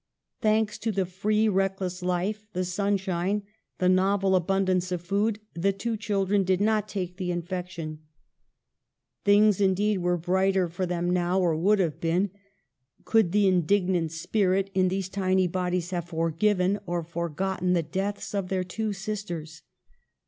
Thanks to the free, reckless life, the sunshine, the novel abundance of food, the two children did not take the infection. Things, indeed, were COWAN'S BRIDGE. 51 brighter for them now, or would have been, could the indignant spirit in these tiny bodies have forgiven or forgotten the deaths of their two sisters.